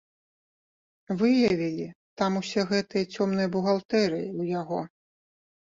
Выявілі там усе гэтыя цёмныя бухгалтэрыі ў яго.